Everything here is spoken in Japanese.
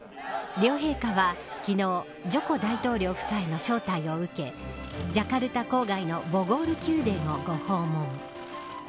両陛下は昨日ジョコ大統領夫妻の招待を受けジャカルタ郊外のボゴール宮殿をご訪問。